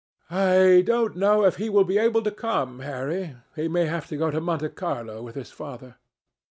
"I don't know if he will be able to come, Harry. He may have to go to Monte Carlo with his father."